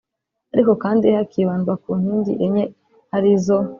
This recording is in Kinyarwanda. ariko kandi hakibandwa ku nkingi enye arizo